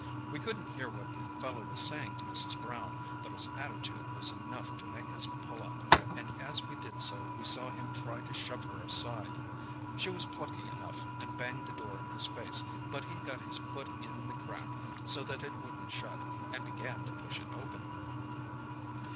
We couldn't hear what the fellow was saying to Mrs. Brown, but his attitude was enough to make us pull up, and as we did so we saw him try to shove her aside. She was plucky enough and banged the door in his face, but he got his foot in the crack, so that it couldn't shut, and began to push it open.